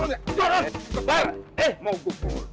lo dengerin apa kata gue